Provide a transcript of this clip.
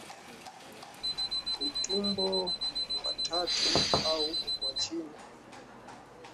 Utumbo wa tatu au wa chini omasum huwa mkavu na kushikamana